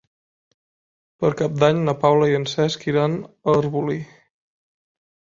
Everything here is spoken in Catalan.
Per Cap d'Any na Paula i en Cesc iran a Arbolí.